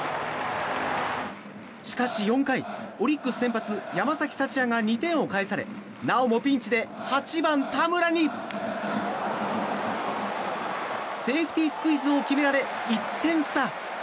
しかし４回、オリックス先発山崎福也が２点を返されなおもピンチで８番、田村にセーフティースクイズを決められ１点差。